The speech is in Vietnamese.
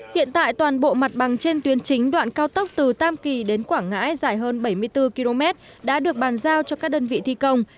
hiện tại toàn bộ mặt bằng trên tuyến chính đoạn cao tốc từ tam kỳ đến quảng ngãi dài hơn bảy mươi bốn km đã được bàn giao cho các đơn vị thi công